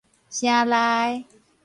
城內